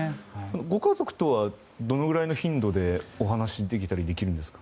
ご家族とはどのぐらいの頻度でお話しできるんですか？